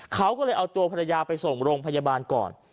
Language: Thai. เขาก็เลยเอาตัวภรรยาไปส่งโรงพยาบาลก่อน